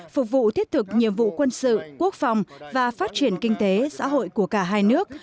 phục vụ thiết thực nhiệm vụ quân sự quốc phòng và phát triển kinh tế xã hội của cả hai nước